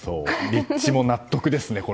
立地も納得ですね。